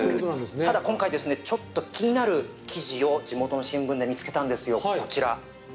ただ、ちょっと今回気になる記事を地元の新聞で見つけたんですよ。